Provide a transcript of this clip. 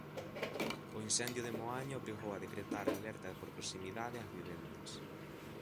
O incendio de Moaña obrigou a decretar a alerta por proximidade ás vivendas.